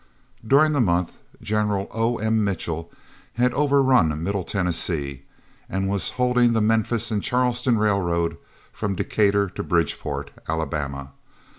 During the month General O. M. Mitchell had overrun Middle Tennessee, and was holding the Memphis and Charleston railroad from Decatur to Bridgeport, Alabama.